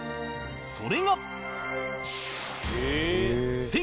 それが